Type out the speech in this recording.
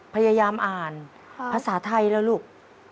พยายามอ่านภาษาไทยแล้วลูก